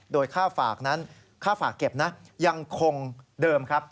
โดยค่าฝากนั้นค่าฝากเก็บนะยังคงเดิมครับ